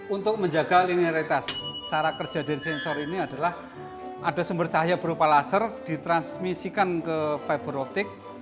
untuk menjaga linearitas cara kerja dari sensor ini adalah ada sumber cahaya berupa laser ditransmisikan ke fiberotik